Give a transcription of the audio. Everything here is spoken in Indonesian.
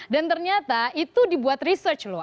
dan ternyata itu dibuat research loh